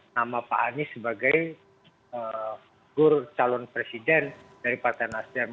nama pak anies sebagai gur calon presiden dari pak ternasdem